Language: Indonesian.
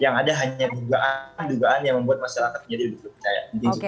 yang ada hanya dugaan dugaan yang membuat masyarakat menjadi lebih percaya